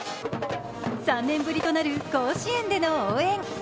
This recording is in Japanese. ３年ぶりとなる甲子園での応援。